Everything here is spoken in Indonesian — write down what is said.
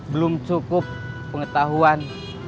belum cukup pengetahuan